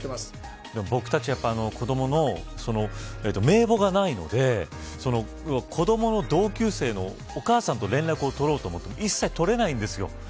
僕たち子どもの名簿がないので子どもの同級生のお母さんと連絡を取ろうと思っても一切取れないんですよ。